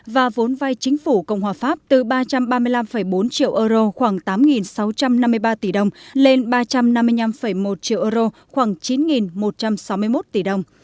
và vốn vai chính phủ cộng hòa pháp từ ba trăm ba mươi năm bốn triệu euro khoảng tám sáu trăm năm mươi ba tỷ đồng lên ba trăm năm mươi năm một triệu euro khoảng chín một trăm sáu mươi một tỷ đồng